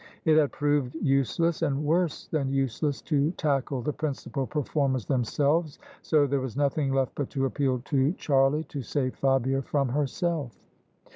It had proved useless, and worse than useless, to tackle the principal per formers themselves; so there was nothing left but to appeal to Charlie to save Fabia from herself.